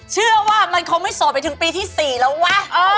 เชื่อว่ามันคงไม่โสดไปถึงปีที่๔แล้ววะ